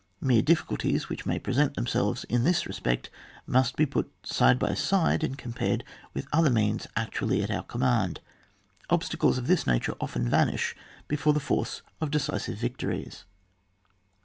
Mere difficulties which may present them selves in this respect must be put side by side and compared with other means actually at our command ; obstacles of this nature often vanish before the force of decisive victories.